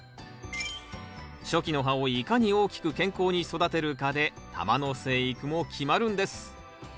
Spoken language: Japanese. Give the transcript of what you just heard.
初期の葉をいかに大きく健康に育てるかで球の生育も決まるんです。